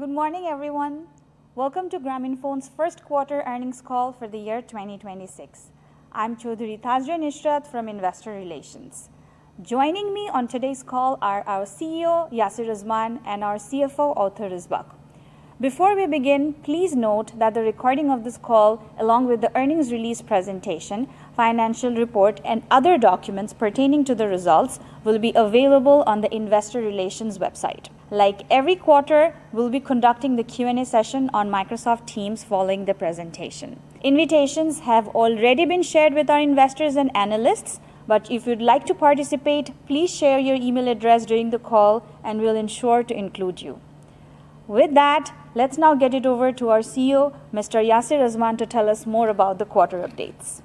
Good morning, everyone. Welcome to Grameenphone's first quarter earnings call for the year 2026. I'm Chowdhury Tazrian Israt from Investor Relations. Joining me on today's call are our CEO, Yasir Azman, and our CFO, Otto Risbakk. Before we begin, please note that the recording of this call, along with the earnings release presentation, financial report, and other documents pertaining to the results, will be available on the investor relations website. Like every quarter, we'll be conducting the Q&A session on Microsoft Teams following the presentation. Invitations have already been shared with our investors and analysts. If you'd like to participate, please share your email address during the call and we'll ensure to include you. With that, let's now get it over to our CEO, Mr. Yasir Azman, to tell us more about the quarter updates.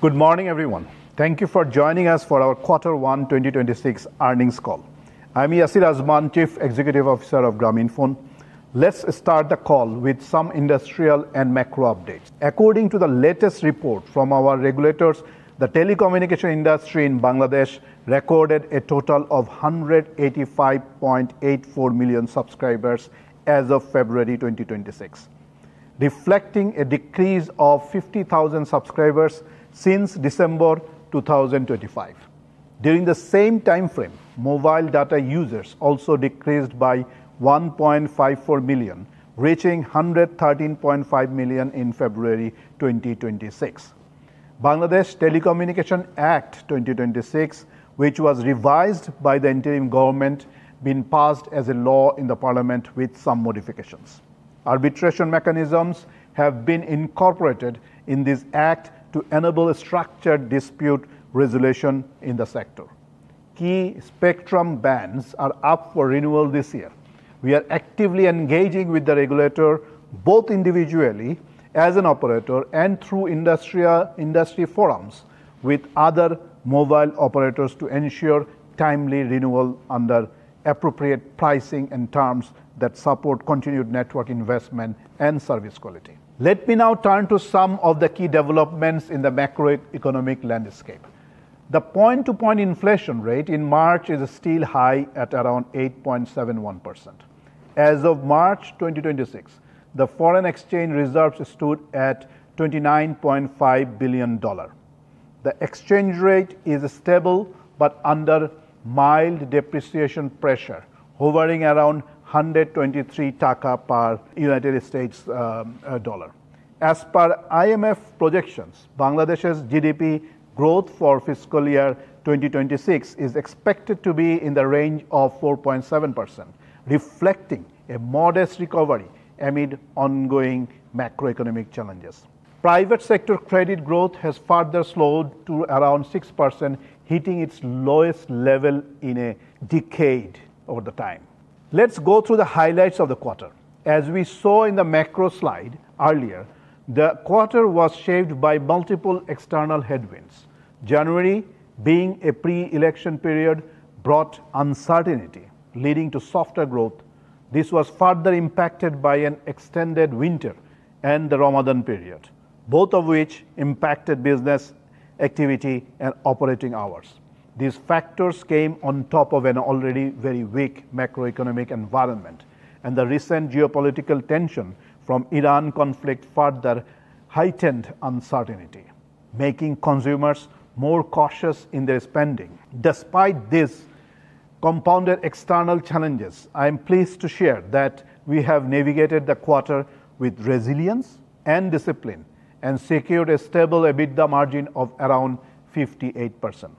Good morning, everyone. Thank you for joining us for our Quarter One 2026 earnings call. I'm Yasir Azman, Chief Executive Officer of Grameenphone. Let's start the call with some industry and macro updates. According to the latest report from our regulators, the telecommunication industry in Bangladesh recorded a total of 185.84 million subscribers as of February 2026, reflecting a decrease of 50,000 subscribers since December 2025. During the same timeframe, mobile data users also decreased by 1.54 million, reaching 113.5 million in February 2026. Bangladesh Telecommunication Act 2026, which was revised by the interim government, been passed as a law in the parliament with some modifications. Arbitration mechanisms have been incorporated in this act to enable a structured dispute resolution in the sector. Key spectrum bands are up for renewal this year. We are actively engaging with the regulator, both individually as an operator and through industry forums with other mobile operators to ensure timely renewal under appropriate pricing and terms that support continued network investment and service quality. Let me now turn to some of the key developments in the macroeconomic landscape. The point-to-point inflation rate in March is still high at around 8.71%. As of March 2026, the foreign exchange reserves stood at $29.5 billion. The exchange rate is stable but under mild depreciation pressure, hovering around BDT 123 per United States dollar. As per IMF projections, Bangladesh's GDP growth for fiscal year 2026 is expected to be in the range of 4.7%, reflecting a modest recovery amid ongoing macroeconomic challenges. Private sector credit growth has further slowed to around 6%, hitting its lowest level in a decade over time. Let's go through the highlights of the quarter. As we saw in the macro slide earlier, the quarter was shaped by multiple external headwinds. January, being a pre-election period, brought uncertainty, leading to softer growth. This was further impacted by an extended winter and the Ramadan period, both of which impacted business activity and operating hours. These factors came on top of an already very weak macroeconomic environment, and the recent geopolitical tension from Iran conflict further heightened uncertainty, making consumers more cautious in their spending. Despite these compounded external challenges, I'm pleased to share that we have navigated the quarter with resilience and discipline and secured a stable EBITDA margin of around 58%.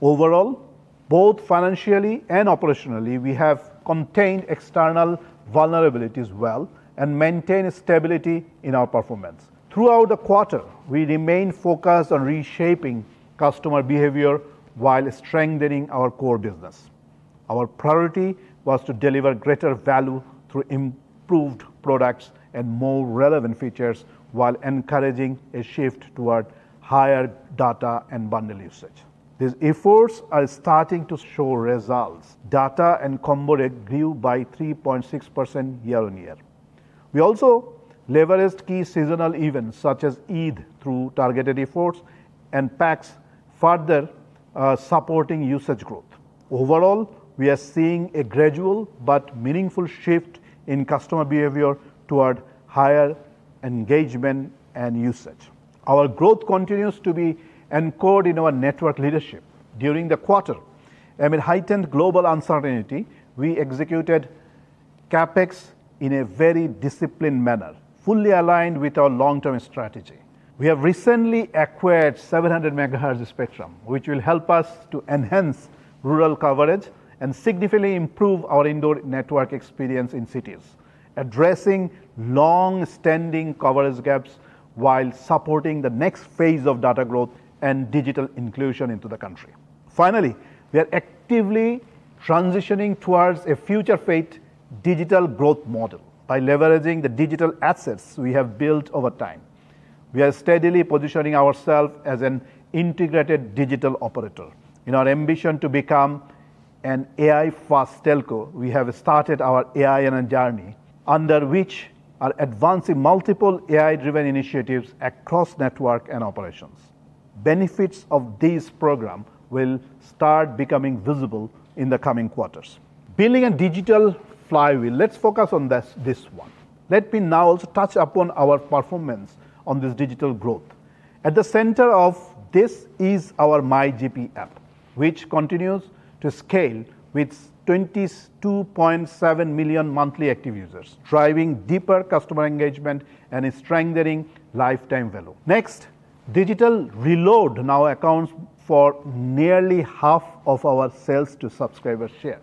Overall, both financially and operationally, we have contained external vulnerabilities well and maintained stability in our performance. Throughout the quarter, we remained focused on reshaping customer behavior while strengthening our core business. Our priority was to deliver greater value through improved products and more relevant features while encouraging a shift toward higher data and bundle usage. These efforts are starting to show results. Data and combo grew by 3.6% year-over-year. We also leveraged key seasonal events such as Eid through targeted efforts and packs, further supporting usage growth. Overall, we are seeing a gradual but meaningful shift in customer behavior toward higher engagement and usage. Our growth continues to be anchored in our network leadership. During the quarter, amid heightened global uncertainty, we executed CapEx in a very disciplined manner, fully aligned with our long-term strategy. We have recently acquired 700 MHz of spectrum, which will help us to enhance rural coverage and significantly improve our indoor network experience in cities, addressing long-standing coverage gaps while supporting the next phase of data growth and digital inclusion into the country. Finally, we are actively transitioning towards a future-fit digital growth model by leveraging the digital assets we have built over time. We are steadily positioning ourselves as an integrated digital operator. In our ambition to become an AI-first telco, we have started our AI journey, under which we are advancing multiple AI-driven initiatives across network and operations. Benefits of this program will start becoming visible in the coming quarters. Building a digital flywheel. Let's focus on this one. Let me now touch upon our performance on this digital growth. At the center of this is our MyGP app, which continues to scale with 22.7 million monthly active users, driving deeper customer engagement and strengthening lifetime value. Next, digital reload now accounts for nearly half of our sales to subscriber share,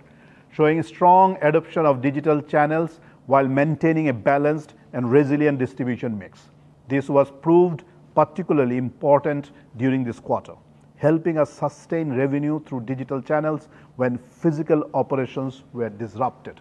showing strong adoption of digital channels while maintaining a balanced and resilient distribution mix. This was proved particularly important during this quarter, helping us sustain revenue through digital channels when physical operations were disrupted.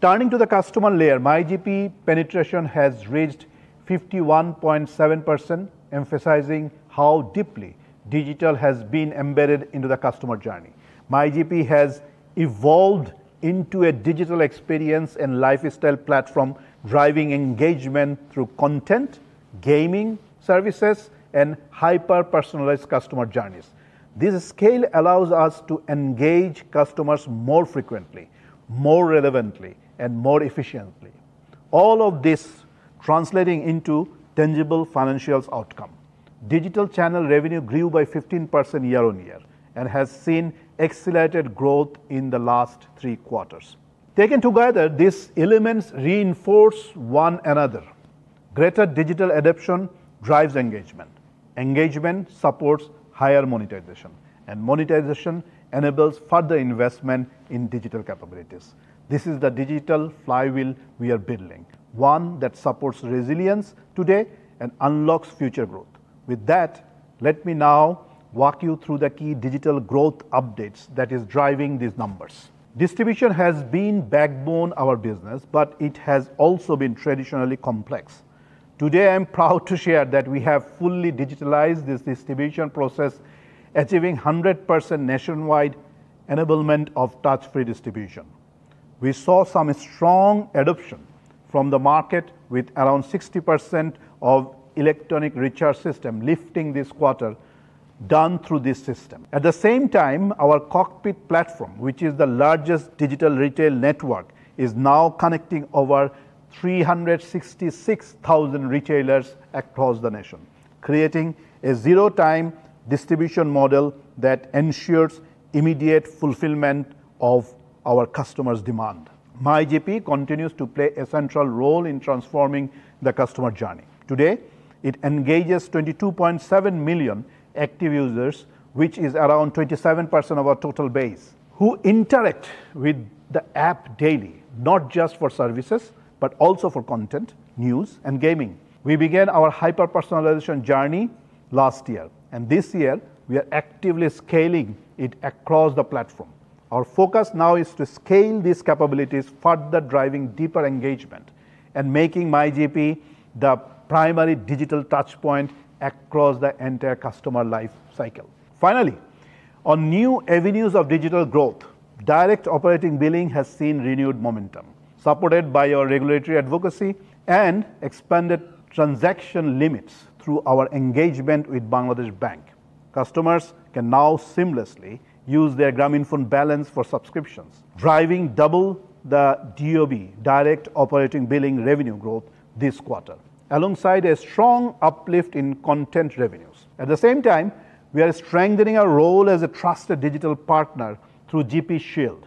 Turning to the customer layer, MyGP penetration has reached 51.7%, emphasizing how deeply digital has been embedded into the customer journey. MyGP has evolved into a digital experience and lifestyle platform, driving engagement through content, gaming services, and hyper-personalized customer journeys. This scale allows us to engage customers more frequently, more relevantly, and more efficiently. All of this translating into tangible financial outcomes. Digital channel revenue grew by 15% year-on-year and has seen accelerated growth in the last three quarters. Taken together, these elements reinforce one another. Greater digital adoption drives engagement. Engagement supports higher monetization. Monetization enables further investment in digital capabilities. This is the digital flywheel we are building, one that supports resilience today and unlocks future growth. With that, let me now walk you through the key digital growth updates that is driving these numbers. Distribution has been backbone of our business, but it has also been traditionally complex. Today, I'm proud to share that we have fully digitalized this distribution process, achieving 100% nationwide enablement of touch-free distribution. We saw some strong adoption from the market, with around 60% of electronic recharge system lifting this quarter done through this system. At the same time, our Cockpit platform, which is the largest digital retail network, is now connecting over 366,000 retailers across the nation, creating a zero-time distribution model that ensures immediate fulfillment of our customers' demand. MyGP continues to play a central role in transforming the customer journey. Today, it engages 22.7 million active users, which is around 27% of our total base, who interact with the app daily, not just for services, but also for content, news, and gaming. We began our hyper-personalization journey last year, and this year we are actively scaling it across the platform. Our focus now is to scale these capabilities, further driving deeper engagement and making MyGP the primary digital touchpoint across the entire customer life cycle. Finally, on new avenues of digital growth, direct operating billing has seen renewed momentum, supported by our regulatory advocacy and expanded transaction limits through our engagement with Bangladesh Bank. Customers can now seamlessly use their Grameenphone balance for subscriptions, driving double the DOB, direct operating billing, revenue growth this quarter, alongside a strong uplift in content revenues. At the same time, we are strengthening our role as a trusted digital partner through GP Shield,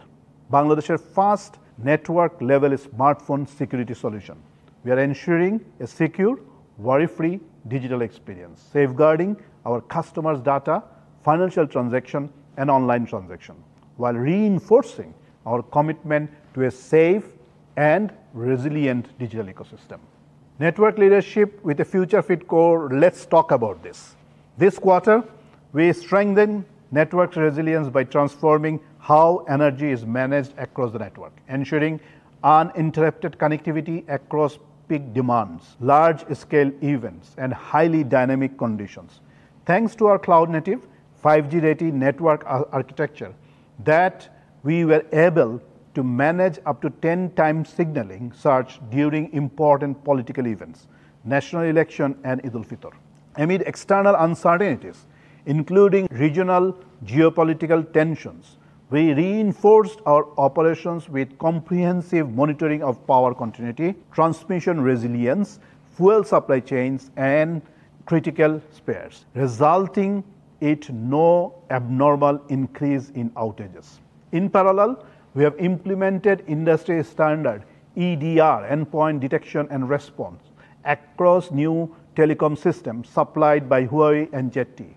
Bangladesh's first network-level smartphone security solution. We are ensuring a secure, worry-free digital experience, safeguarding our customers' data, financial transaction, and online transaction, while reinforcing our commitment to a safe and resilient digital ecosystem. Network leadership with a future-fit core, let's talk about this. This quarter, we strengthen network resilience by transforming how energy is managed across the network, ensuring uninterrupted connectivity across peak demands, large-scale events, and highly dynamic conditions. Thanks to our cloud-native 5G-ready network architecture that we were able to manage up to 10x signaling surge during important political events, national election, and Eid al-Fitr. Amid external uncertainties, including regional geopolitical tensions, we reinforced our operations with comprehensive monitoring of power continuity, transmission resilience, fuel supply chains, and critical spares, resulting in no abnormal increase in outages. In parallel, we have implemented industry standard EDR, endpoint detection and response, across new telecom systems supplied by Huawei and ZTE,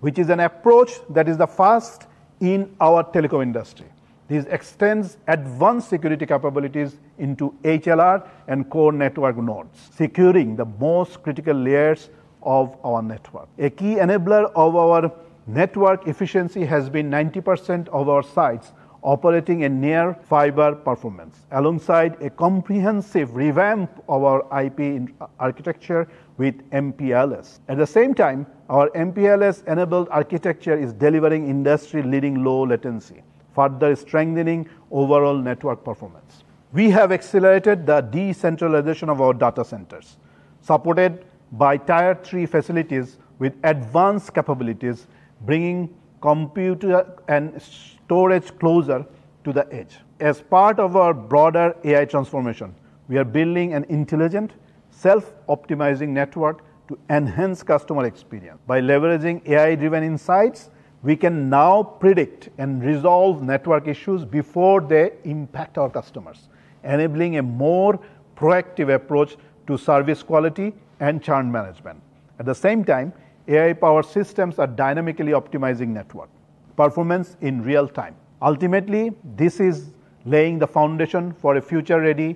which is an approach that is the first in our telecom industry. This extends advanced security capabilities into HLR and core network nodes, securing the most critical layers of our network. A key enabler of our network efficiency has been 90% of our sites operating a near fiber performance alongside a comprehensive revamp of our IP architecture with MPLS. At the same time, our MPLS-enabled architecture is delivering industry-leading low latency, further strengthening overall network performance. We have accelerated the decentralization of our data centers, supported by tier three facilities with advanced capabilities, bringing computer and storage closer to the edge. As part of our broader AI transformation, we are building an intelligent, self-optimizing network to enhance customer experience. By leveraging AI-driven insights, we can now predict and resolve network issues before they impact our customers, enabling a more proactive approach to service quality and churn management. At the same time, AI-powered systems are dynamically optimizing network performance in real time. Ultimately, this is laying the foundation for a future-ready,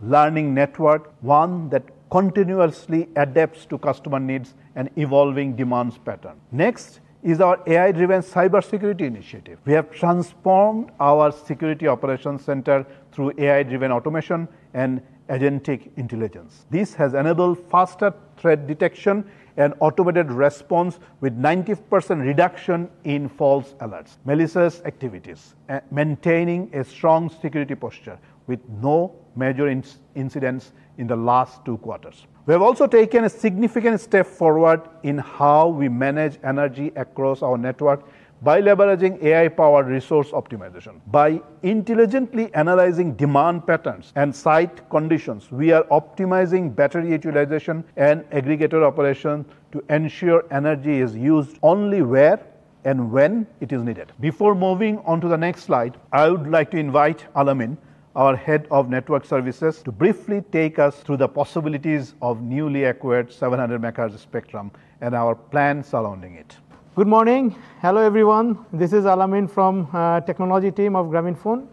self-learning network, one that continuously adapts to customer needs and evolving demand patterns. Next is our AI-driven cybersecurity initiative. We have transformed our security operation center through AI-driven automation and agentic intelligence. This has enabled faster threat detection and automated response with 90% reduction in false alerts, malicious activities, maintaining a strong security posture with no major incidents in the last two quarters. We have also taken a significant step forward in how we manage energy across our network by leveraging AI-powered resource optimization. By intelligently analyzing demand patterns and site conditions, we are optimizing battery utilization and aggregator operation to ensure energy is used only where and when it is needed. Before moving on to the next slide, I would like to invite Al-Amin, our head of network services, to briefly take us through the possibilities of newly acquired 700 MHz spectrum and our plans surrounding it. Good morning. Hello, everyone. This is Al-Amin from technology team of Grameenphone.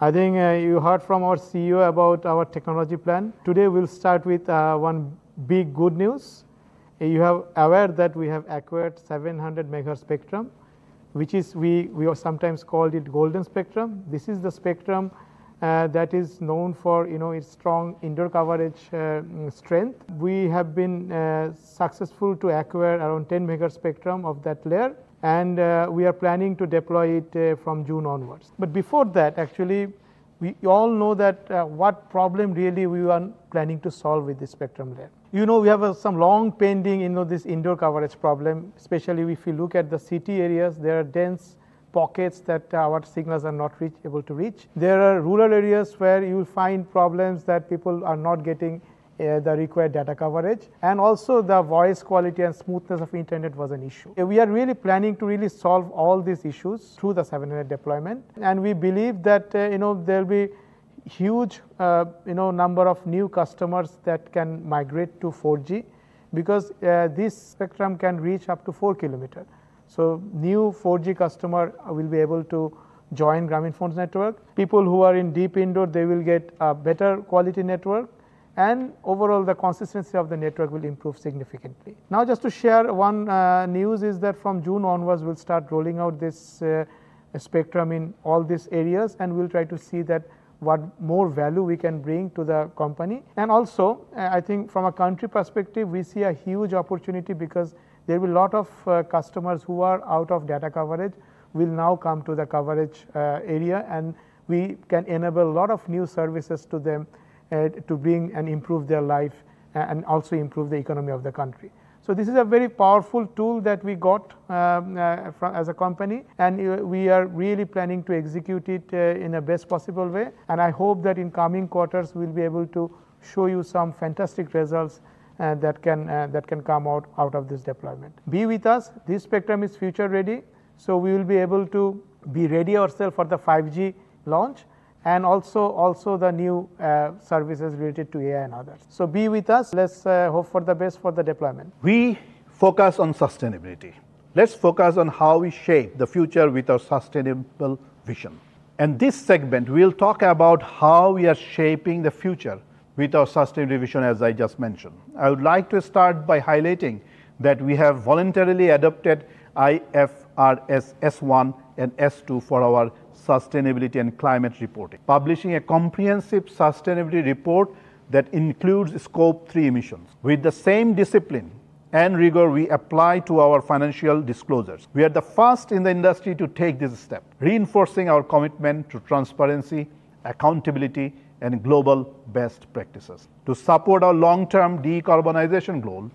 I think you heard from our CEO about our technology plan. Today, we'll start with one big good news. You are aware that we have acquired 700 MHz spectrum, which is we sometimes called it golden spectrum. This is the spectrum that is known for its strong indoor coverage strength. We have been successful to acquire around 10 MHz spectrum of that layer, and we are planning to deploy it from June onwards. Before that, actually, we all know that what problem really we were planning to solve with the spectrum layer. You know we have some long pending indoor coverage problem, especially if you look at the city areas, there are dense pockets that our signals are not able to reach. There are rural areas where you will find problems that people are not getting the required data coverage. Also the voice quality and smoothness of internet was an issue. We are really planning to solve all these issues through the 700 MHz deployment. We believe that there'll be huge number of new customers that can migrate to 4G because this spectrum can reach up to 4 km. New 4G customer will be able to join Grameenphone's network. People who are in deep indoor, they will get a better quality network, and overall, the consistency of the network will improve significantly. Now, just to share one news is that from June onwards, we'll start rolling out this spectrum in all these areas, and we'll try to see that what more value we can bring to the company. Also, I think from a country perspective, we see a huge opportunity because there will be a lot of customers who are out of data coverage will now come to the coverage area, and we can enable a lot of new services to them to bring and improve their life and also improve the economy of the country. This is a very powerful tool that we got as a company, and we are really planning to execute it in the best possible way. I hope that in coming quarters, we'll be able to show you some fantastic results that can come out of this deployment. Be with us. This spectrum is future ready, so we will be able to ready ourselves for the 5G launch and also the new services related to AI and others. Be with us. Let's hope for the best for the deployment. We focus on sustainability. Let's focus on how we shape the future with our sustainable vision. In this segment, we'll talk about how we are shaping the future with our sustainable vision, as I just mentioned. I would like to start by highlighting that we have voluntarily adopted IFRS S1 and S2 for our sustainability and climate reporting, publishing a comprehensive sustainability report that includes Scope 3 emissions with the same discipline and rigor we apply to our financial disclosures. We are the first in the industry to take this step, reinforcing our commitment to transparency, accountability, and global best practices. To support our long-term decarbonization goal,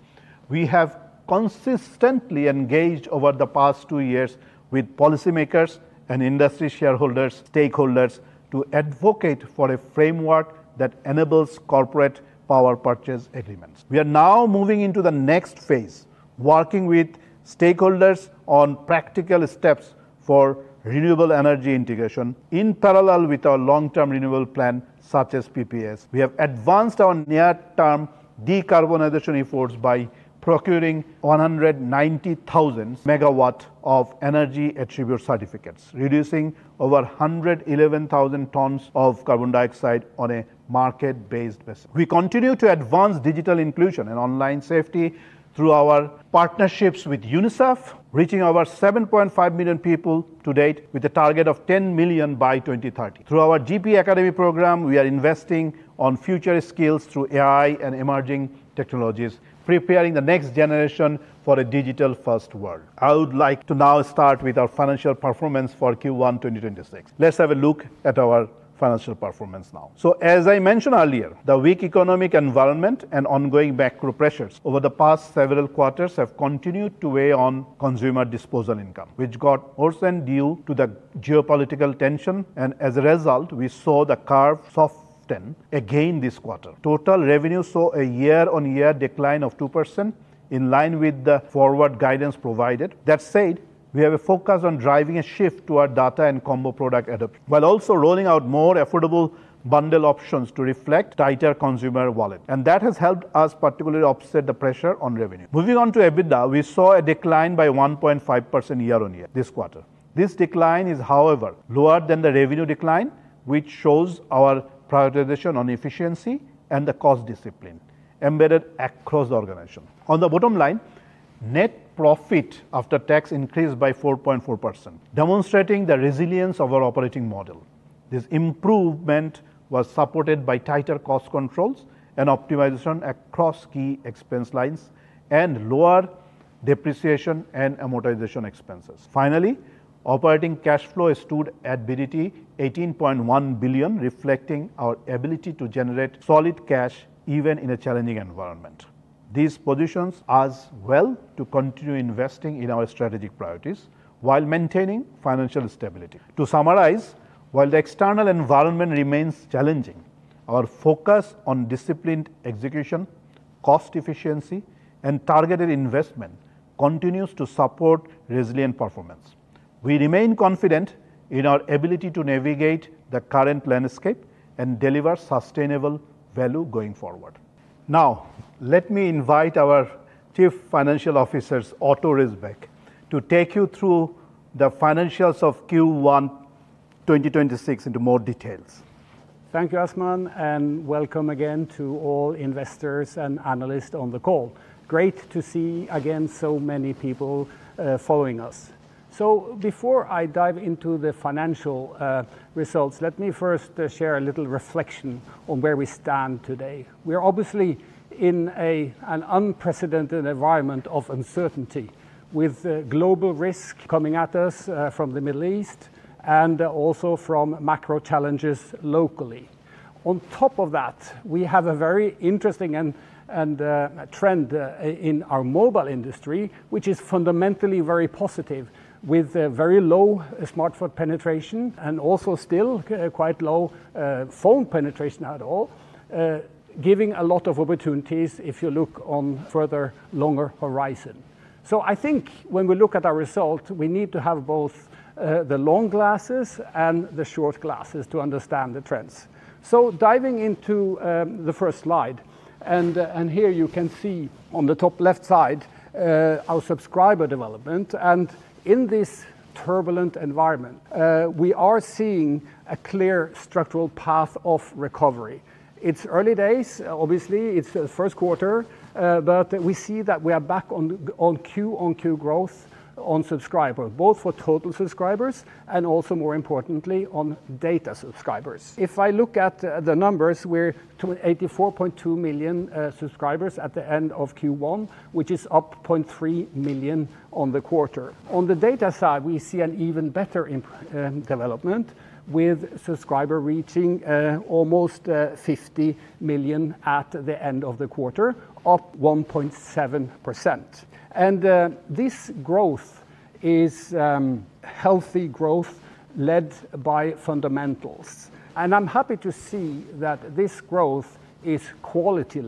we have consistently engaged over the past two years with policymakers and industry stakeholders to advocate for a framework that enables corporate power purchase agreements. We are now moving into the next phase, working with stakeholders on practical steps for renewable energy integration in parallel with our long-term renewable plan, such as PPAs. We have advanced our near-term decarbonization efforts by procuring 190,000 MW of energy attribute certificates, reducing over 111,000 tonnes of carbon dioxide on a market-based basis. We continue to advance digital inclusion and online safety through our partnerships with UNICEF, reaching over 7.5 million people to date with a target of 10 million by 2030. Through our GP Academy program, we are investing on future skills through AI and emerging technologies, preparing the next generation for a digital-first world. I would like to now start with our financial performance for Q1 2026. Let's have a look at our financial performance now. As I mentioned earlier, the weak economic environment and ongoing macro pressures over the past several quarters have continued to weigh on consumer disposable income, which got worsened due to the geopolitical tension, and as a result, we saw the ARPU soften again this quarter. Total revenue saw a year-on-year decline of 2% in line with the forward guidance provided. That said, we have a focus on driving a shift to our data and combo product adoption, while also rolling out more affordable bundle options to reflect tighter consumer wallet. that has helped us particularly offset the pressure on revenue. Moving on to EBITDA, we saw a decline by 1.5% year-on-year this quarter. This decline is however lower than the revenue decline, which shows our prioritization on efficiency and the cost discipline embedded across the organization. On the bottom line, net profit after tax increased by 4.4%, demonstrating the resilience of our operating model. This improvement was supported by tighter cost controls and optimization across key expense lines and lower depreciation and amortization expenses. Finally, operating cash flow stood at BDT 18.1 billion, reflecting our ability to generate solid cash even in a challenging environment. This positions us well to continue investing in our strategic priorities while maintaining financial stability. To summarize, while the external environment remains challenging, our focus on disciplined execution, cost efficiency, and targeted investment continues to support resilient performance. We remain confident in our ability to navigate the current landscape and deliver sustainable value going forward. Now, let me invite our Chief Financial Officer, Otto Risbakk, to take you through the financials of Q1 2026 in more detail. Thank you, Azman, and welcome again to all investors and analysts on the call. Great to see again so many people following us. Before I dive into the financial results, let me first share a little reflection on where we stand today. We're obviously in an unprecedented environment of uncertainty with global risk coming at us from the Middle East and also from macro challenges locally. On top of that, we have a very interesting trend in our mobile industry, which is fundamentally very positive, with very low smartphone penetration and also still quite low phone penetration at all, giving a lot of opportunities if you look on further, longer horizon. I think when we look at our result, we need to have both the long glasses and the short glasses to understand the trends. Diving into the first slide, here you can see on the top left side our subscriber development. In this turbulent environment, we are seeing a clear structural path of recovery. It's early days, obviously. It's the first quarter. We see that we are back on Q-on-Q growth on subscribers, both for total subscribers and also more importantly on data subscribers. If I look at the numbers, we're at 84.2 million subscribers at the end of Q1, which is up 0.3 million on the quarter. On the data side, we see an even better development, with subscribers reaching almost 50 million at the end of the quarter, up 1.7%. This growth is healthy growth led by fundamentals. I'm happy to see that this growth is quality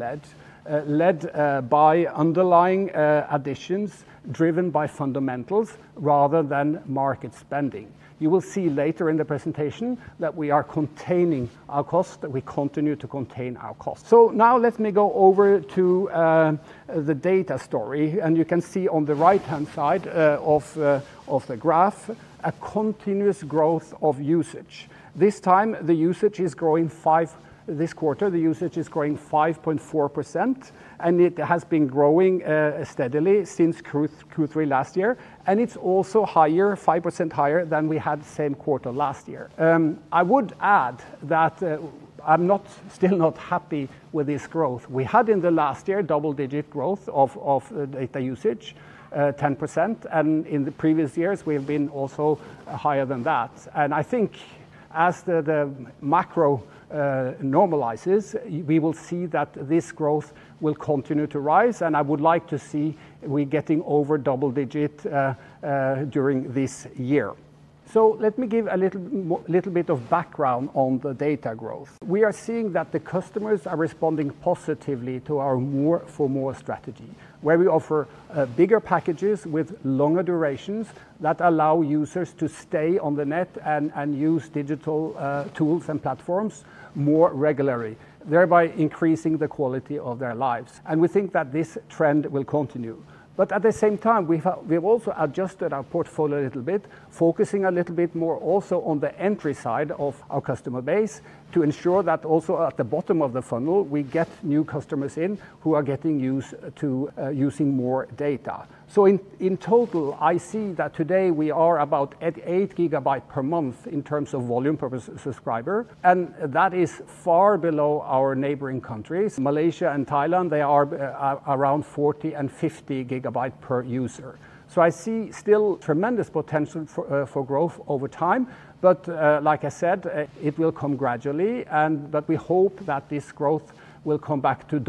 led by underlying additions driven by fundamentals rather than market spending. You will see later in the presentation that we are containing our cost, that we continue to contain our cost. Now let me go over to the data story, and you can see on the right-hand side of the graph a continuous growth of usage. This time, this quarter, the usage is growing 5.4%, and it has been growing steadily since Q3 last year, and it's also higher, 5% higher than we had the same quarter last year. I would add that I'm still not happy with this growth. We had in the last year double-digit growth of data usage, 10%, and in the previous years, we've been also higher than that. I think as the macro normalizes, we will see that this growth will continue to rise, and I would like to see we getting over double digit during this year. Let me give a little bit of background on the data growth. We are seeing that the customers are responding positively to our More for More strategy, where we offer bigger packages with longer durations that allow users to stay on the net and use digital tools and platforms more regularly, thereby increasing the quality of their lives. We think that this trend will continue. At the same time, we've also adjusted our portfolio a little bit, focusing a little bit more also on the entry side of our customer base to ensure that also at the bottom of the funnel, we get new customers in who are getting used to using more data. In total, I see that today we are about at 8 GB per month in terms of volume per subscriber, and that is far below our neighboring countries, Malaysia and Thailand. They are around 40 GB and 50 GB per user. I see still tremendous potential for growth over time. Like I said, it will come gradually, but we hope that this growth will come back to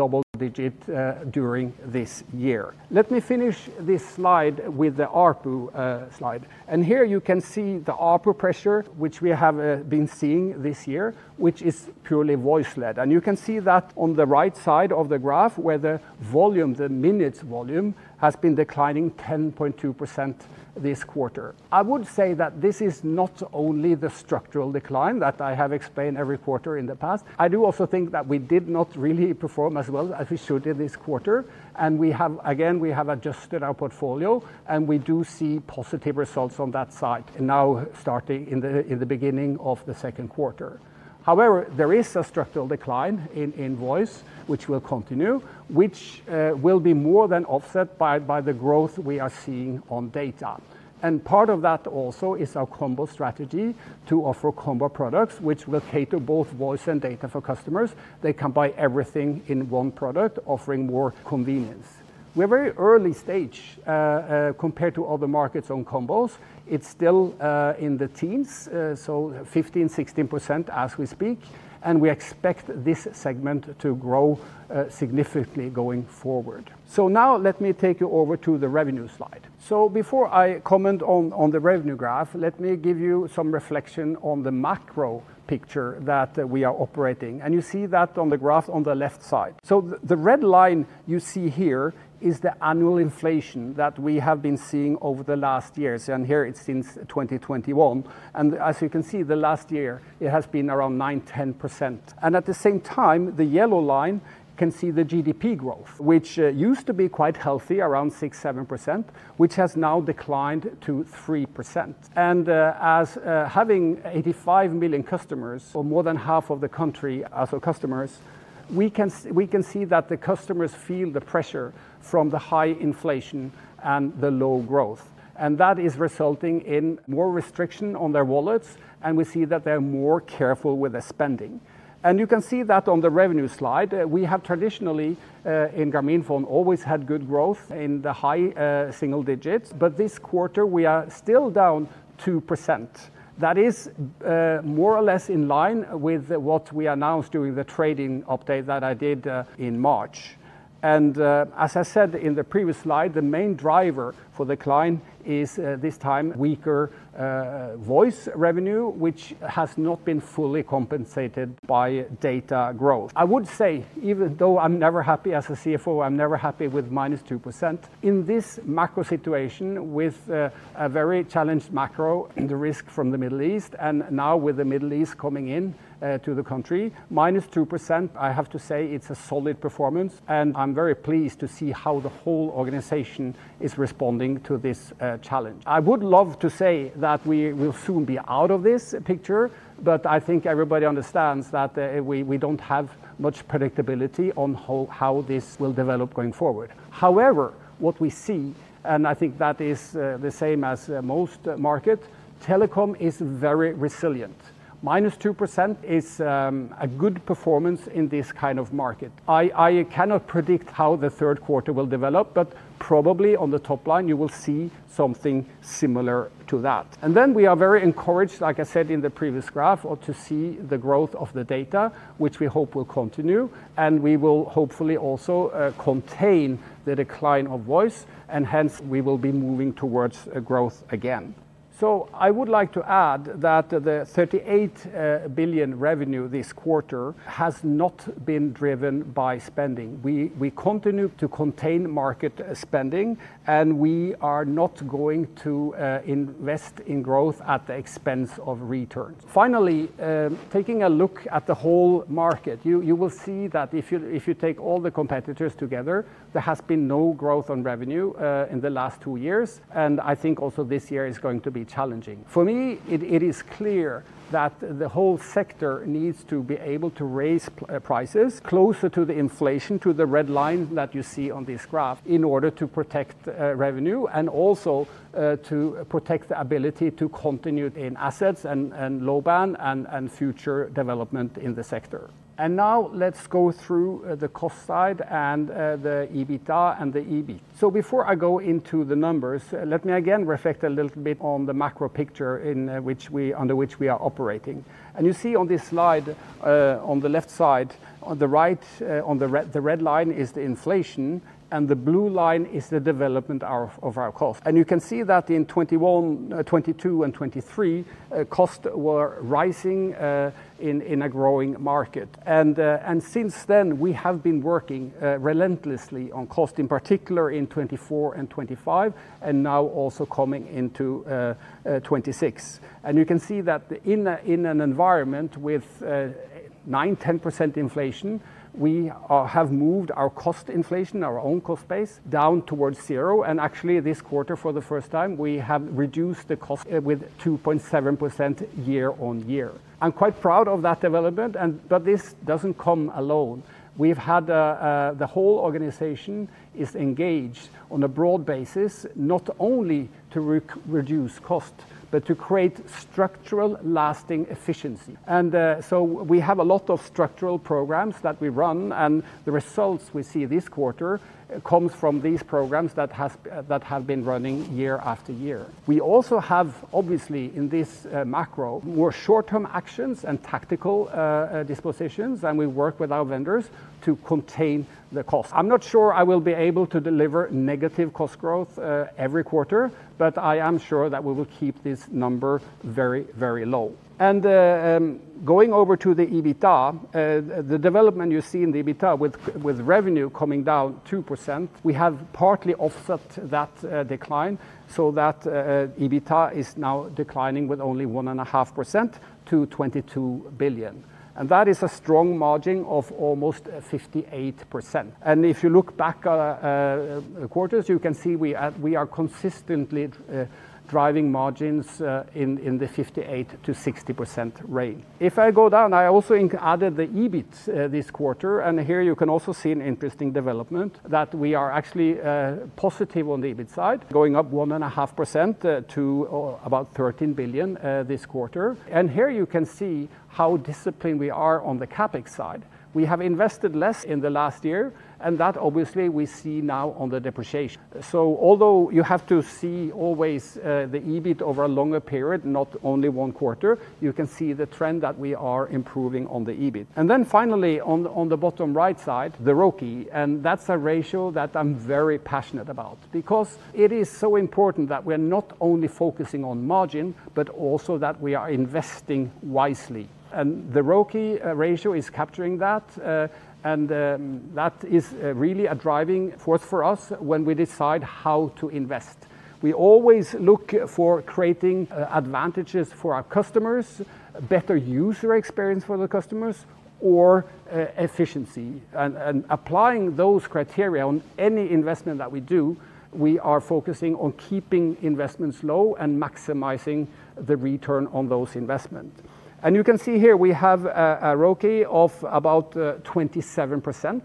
double-digit during this year. Let me finish this slide with the ARPU slide, and here you can see the ARPU pressure, which we have been seeing this year, which is purely voice led. You can see that on the right side of the graph where the volume, the minute volume, has been declining 10.2% this quarter. I would say that this is not only the structural decline that I have explained every quarter in the past. I do also think that we did not really perform as well as we should in this quarter. We have, again, adjusted our portfolio, and we do see positive results on that side now, starting in the beginning of the second quarter. However, there is a structural decline in voice which will continue, which will be more than offset by the growth we are seeing on data. Part of that also is our combo strategy to offer combo products, which will cater both voice and data for customers. They can buy everything in one product, offering more convenience. We're very early stage compared to other markets on combos. It's still in the teens, so 15%, 16% as we speak, and we expect this segment to grow significantly going forward. Now let me take you over to the revenue slide. Before I comment on the revenue graph, let me give you some reflection on the macro picture that we are operating, and you see that on the graph on the left side. The red line you see here is the annual inflation that we have been seeing over the last years, and here it's since 2021. As you can see, the last year it has been around 9%, 10%. At the same time, the yellow line, you can see the GDP growth, which used to be quite healthy, around 6%, 7%, which has now declined to 3%. As having 85 million customers, or more than half of the country as our customers, we can see that the customers feel the pressure from the high inflation and the low growth, and that is resulting in more restriction on their wallets, and we see that they're more careful with their spending. You can see that on the revenue slide. We have traditionally, in Grameenphone, always had good growth in the high single digits, but this quarter we are still down 2%. That is more or less in line with what we announced during the trading update that I did in March. As I said in the previous slide, the main driver for decline is this time weaker voice revenue, which has not been fully compensated by data growth. I would say even though I'm never happy as a CFO, I'm never happy with -2%, in this macro situation with a very challenged macro and the risk from the Middle East, and now with the Middle East coming into the country, -2%, I have to say it's a solid performance, and I'm very pleased to see how the whole organization is responding to this challenge. I would love to say that we will soon be out of this picture, but I think everybody understands that we don't have much predictability on how this will develop going forward. However, what we see, and I think that is the same as most markets, telecom is very resilient. -2% is a good performance in this kind of market. I cannot predict how the third quarter will develop, but probably on the top line you will see something similar to that. We are very encouraged, like I said in the previous graph, to see the growth of the data, which we hope will continue, and we will hopefully also contain the decline of voice, and hence we will be moving towards growth again. I would like to add that the BDT 38 billion revenue this quarter has not been driven by spending. We continue to contain market spending, and we are not going to invest in growth at the expense of returns. Finally, taking a look at the whole market, you will see that if you take all the competitors together, there has been no growth on revenue in the last two years, and I think also this year is going to be challenging. For me, it is clear that the whole sector needs to be able to raise prices closer to the inflation, to the red line that you see on this graph, in order to protect revenue and also to protect the ability to continue in assets and low-band and future development in the sector. Now let's go through the cost side and the EBITDA and the EBIT. Before I go into the numbers, let me again reflect a little bit on the macro picture under which we are operating. You see on this slide, on the left side, on the right, the red line is the inflation, and the blue line is the development of our costs. You can see that in 2021, 2022, and 2023, costs were rising in a growing market. Since then, we have been working relentlessly on cost, in particular in 2024 and 2025, and now also coming into 2026. You can see that in an environment with 9%-10% inflation, we have moved our cost inflation, our own cost base, down towards zero. Actually this quarter, for the first time, we have reduced the cost with 2.7% year-on-year. I'm quite proud of that development, but this doesn't come alone. We've had the whole organization is engaged on a broad basis, not only to reduce cost, but to create structural lasting efficiency. We have a lot of structural programs that we run, and the results we see this quarter comes from these programs that have been running year after year. We also have, obviously, in this macro, more short-term actions and tactical dispositions, and we work with our vendors to contain the cost. I'm not sure I will be able to deliver negative cost growth every quarter, but I am sure that we will keep this number very, very low. Going over to the EBITDA, the development you see in the EBITDA with revenue coming down 2%, we have partly offset that decline so that EBITDA is now declining with only 1.5% to BDT 22 billion. That is a strong margin of almost 58%. If you look back at quarters, you can see we are consistently driving margins in the 58%-60% range. If I go down, I also added the EBIT this quarter, and here you can also see an interesting development that we are actually positive on the EBIT side, going up 1.5% to about BDT 13 billion this quarter. Here you can see how disciplined we are on the CapEx side. We have invested less in the last year, and that obviously we see now on the depreciation. Although you have to see always the EBIT over a longer period, not only one quarter, you can see the trend that we are improving on the EBIT. Finally on the bottom right side, the ROCE, and that's a ratio that I'm very passionate about because it is so important that we're not only focusing on margin, but also that we are investing wisely. The ROCE ratio is capturing that, and that is really a driving force for us when we decide how to invest. We always look for creating advantages for our customers, better user experience for the customers or efficiency. Applying those criteria on any investment that we do, we are focusing on keeping investments low and maximizing the return on those investments. You can see here we have a ROCE of about 27%.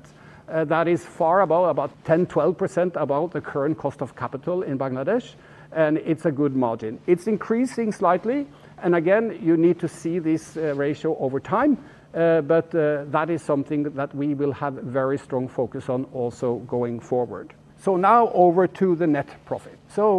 That is far above, about 10%-12% above the current cost of capital in Bangladesh, and it's a good margin. It's increasing slightly. Again, you need to see this ratio over time. That is something that we will have very strong focus on also going forward. Now over to the net profit.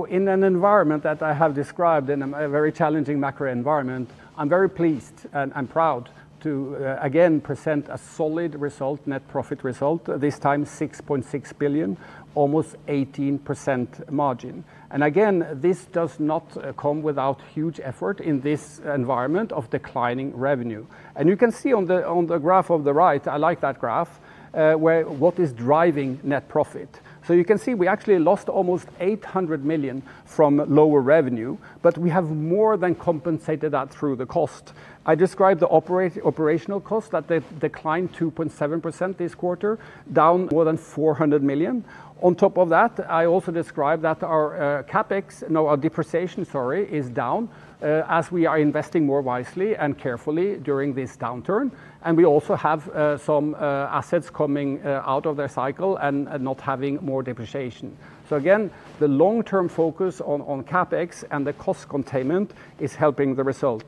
In an environment that I have described, in a very challenging macro environment, I'm very pleased and proud to again present a solid result, net profit result, this time BDT 6.6 billion, almost 18% margin. Again, this does not come without huge effort in this environment of declining revenue. You can see on the graph on the right, I like that graph, what is driving net profit. You can see we actually lost almost BDT 800 million from lower revenue, but we have more than compensated that through the cost. I described the operational cost that they've declined 2.7% this quarter, down more than BDT 400 million. On top of that, I also described that our depreciation, sorry, is down as we are investing more wisely and carefully during this downturn. We also have some assets coming out of their cycle and not having more depreciation. Again, the long-term focus on CapEx and the cost containment is helping the result.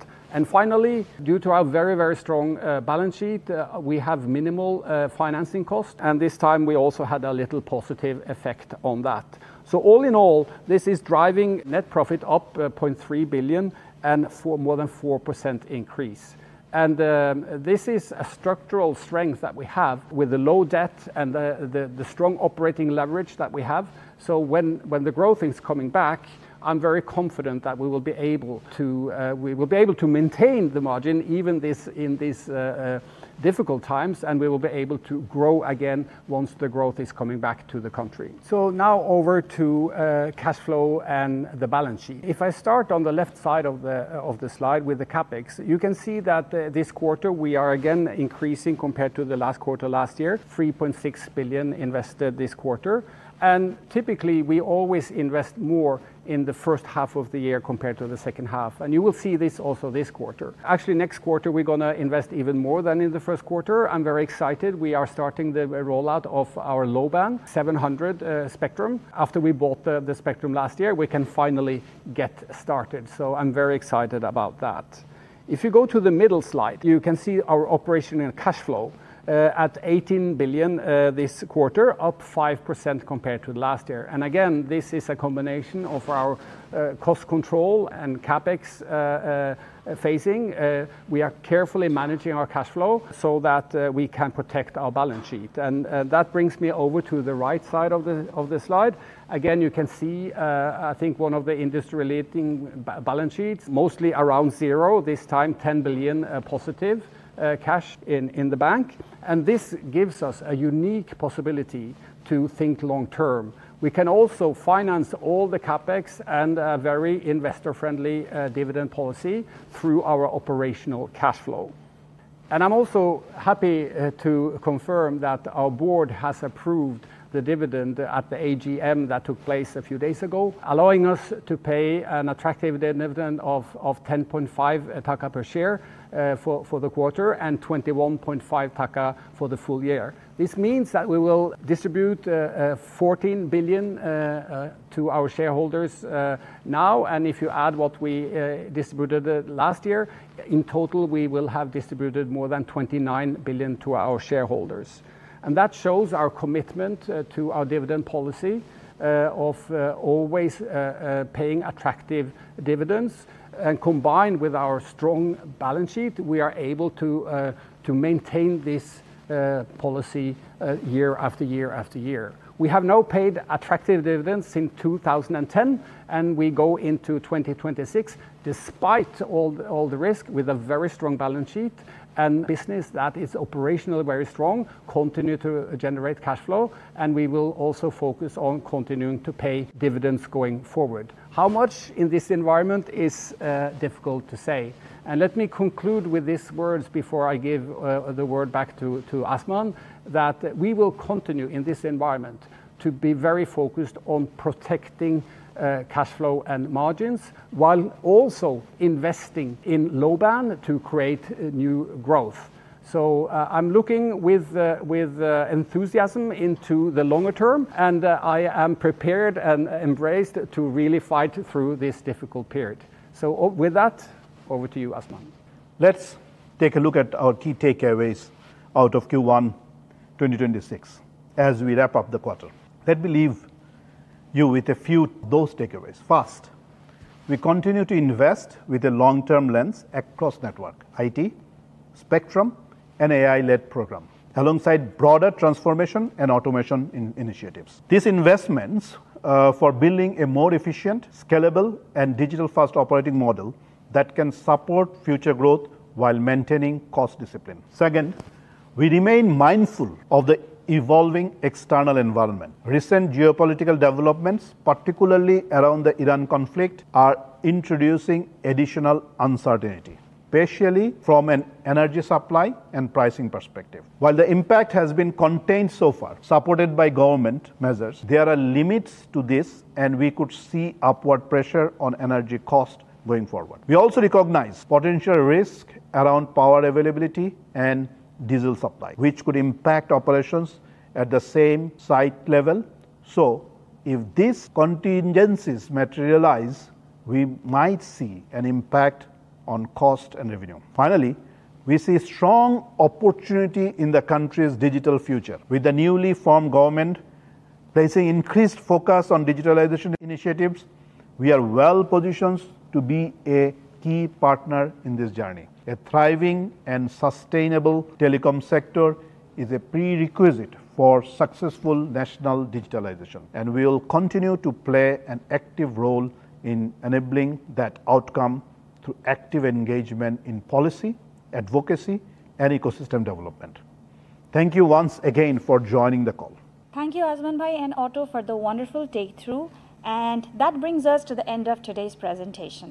Finally, due to our very, very strong balance sheet, we have minimal financing cost, and this time we also had a little positive effect on that. All in all, this is driving net profit up BDT 0.3 billion and more than 4% increase. This is a structural strength that we have with the low debt and the strong operating leverage that we have. When the growth is coming back, I'm very confident that we will be able to maintain the margin even in these difficult times, and we will be able to grow again once the growth is coming back to the country. Now over to cash flow and the balance sheet. If I start on the left side of the slide with the CapEx, you can see that this quarter we are again increasing compared to the last quarter last year, BDT 3.6 billion invested this quarter. Typically, we always invest more in the first half of the year compared to the second half. You will see this also this quarter. Actually, next quarter, we're going to invest even more than in the first quarter. I'm very excited. We are starting the rollout of our low-band 700 MHz spectrum. After we bought the spectrum last year, we can finally get started. So I'm very excited about that. If you go to the middle slide, you can see our operational cash flow at BDT 18 billion this quarter, up 5% compared to last year. Again, this is a combination of our cost control and CapEx phasing. We are carefully managing our cash flow so that we can protect our balance sheet. That brings me over to the right side of the slide. Again, you can see, I think one of the industry-leading balance sheets, mostly around zero, this time +BDT 10 billion cash in the bank. This gives us a unique possibility to think long term. We can also finance all the CapEx and a very investor-friendly dividend policy through our operational cash flow. I'm also happy to confirm that our board has approved the dividend at the AGM that took place a few days ago, allowing us to pay an attractive dividend of BDT 10.5 per share for the quarter and BDT 21.5 for the full year. This means that we will distribute BDT 14 billion to our shareholders now, and if you add what we distributed last year, in total, we will have distributed more than BDT 29 billion to our shareholders. That shows our commitment to our dividend policy of always paying attractive dividends. Combined with our strong balance sheet, we are able to maintain this policy year after year after year. We have now paid attractive dividends since 2010, and we go into 2026 despite all the risk with a very strong balance sheet and business that is operationally very strong, continue to generate cash flow, and we will also focus on continuing to pay dividends going forward. How much in this environment is difficult to say. Let me conclude with these words before I give the word back to Azman, that we will continue in this environment to be very focused on protecting cash flow and margins while also investing in low band to create new growth. I'm looking with enthusiasm into the longer term, and I am prepared and embraced to really fight through this difficult period. With that, over to you, Azman. Let's take a look at our key takeaways out of Q1 2026 as we wrap up the quarter. Let me leave you with a few of those takeaways. First, we continue to invest with a long-term lens across network, IT, spectrum, and AI-led program, alongside broader transformation and automation initiatives. These investments are for building a more efficient, scalable, and digital-first operating model that can support future growth while maintaining cost discipline. Second, we remain mindful of the evolving external environment. Recent geopolitical developments, particularly around the Iran conflict, are introducing additional uncertainty, especially from an energy supply and pricing perspective. While the impact has been contained so far, supported by government measures, there are limits to this, and we could see upward pressure on energy cost going forward. We also recognize potential risk around power availability and diesel supply, which could impact operations at the same site level. If these contingencies materialize, we might see an impact on cost and revenue. Finally, we see strong opportunity in the country's digital future. With the newly formed government placing increased focus on digitalization initiatives, we are well-positioned to be a key partner in this journey. A thriving and sustainable telecom sector is a prerequisite for successful national digitalization, and we will continue to play an active role in enabling that outcome through active engagement in policy, advocacy, and ecosystem development. Thank you once again for joining the call. Thank you, Azman Bhai and Otto, for the wonderful walkthrough. That brings us to the end of today's presentation.